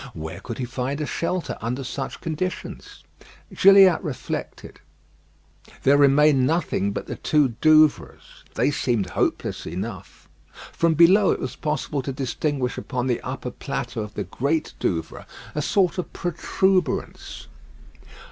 Where could he find a shelter under such conditions? Gilliatt reflected. There remained nothing but the two Douvres. They seemed hopeless enough. From below, it was possible to distinguish upon the upper plateau of the Great Douvre a sort of protuberance.